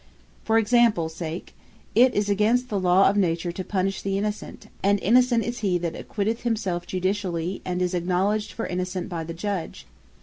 For example sake, 'Tis against the Law of Nature, To Punish The Innocent; and Innocent is he that acquitteth himselfe Judicially, and is acknowledged for Innocent by the Judge.